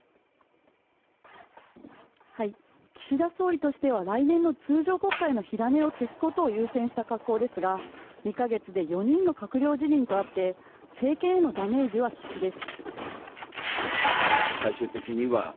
岸田総理としては来年の通常国会の火種を消すことを優先した格好ですが２か月で４人の閣僚辞任とあって政権へのダメージは必至です